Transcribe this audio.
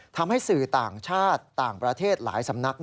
ทำให้สื่อต่างชาติต่างประเทศหลายสำนัก